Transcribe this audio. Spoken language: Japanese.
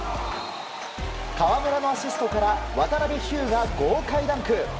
河村のアシストから渡邉飛勇が豪快ダンク！